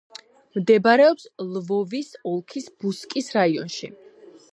მდებარეობს ლვოვის ოლქის ბუსკის რაიონში.